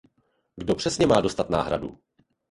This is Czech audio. Kdo přesně má dostat náhradu?